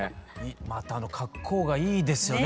またあの格好がいいですよね。